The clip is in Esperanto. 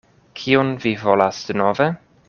Kion vi volas denove?